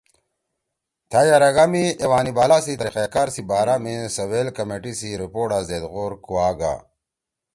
تھأ یرَگا می ایوان بالا سی طریقہ کار سی بارا می سویل کمیٹی سی رپوڑا زید غور کُواگا